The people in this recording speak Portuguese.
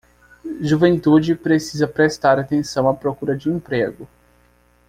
Juventude precisa prestar atenção à procura de emprego